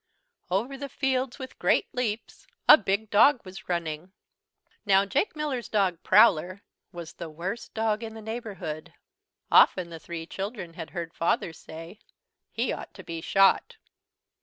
Over the fields, with great leaps, a big dog was running. Now Jake Miller's dog, Prowler, was the worst dog in the neighbourhood. Often the three children had heard Father say "He ought to be shot."